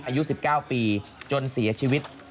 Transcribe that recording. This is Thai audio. อายุ๑๙ปีจนเสียชีวิต